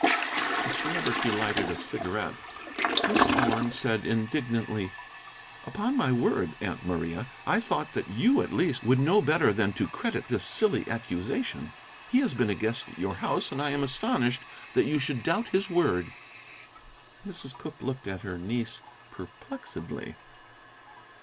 The Celebrity lighted a cigarette. Miss Thorn said indignantly, "Upon my word, Aunt Maria, I thought that you, at least, would know better than to credit this silly accusation. He has been a guest at your house, and I am astonished that you should doubt his word." Mrs. Cooke looked at her niece perplexedly.